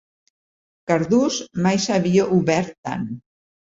Cardús mai s'havia obert tant.